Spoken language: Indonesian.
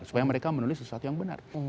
supaya mereka menulis sesuatu yang benar